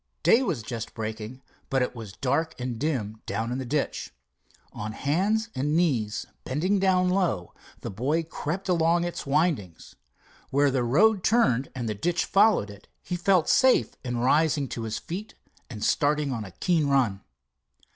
Day was just breaking, but it was dark and dim down in the ditch. On hands and knees, bending down low, the boy crept along its windings. Where the road turned and the ditch followed it, he felt safe in rising to his feet and starting on a keen run.